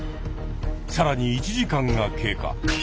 さらに１時間が経過。